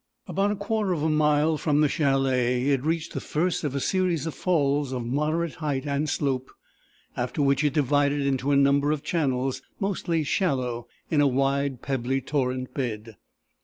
About a quarter of a mile from the chalet, it reached the first of a series of falls of moderate height and slope, after which it divided into a number of channels, mostly shallow, in a wide pebbly torrent bed.